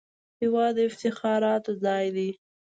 هېواد د افتخاراتو ځای دی